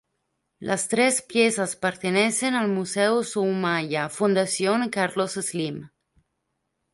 Las tres piezas pertenecen al Museo Soumaya, Fundación Carlos Slim.